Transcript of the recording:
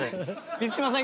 満島さん